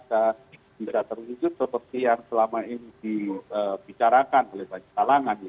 dan bisa terwujud seperti yang selama ini dibicarakan oleh pak jitalangan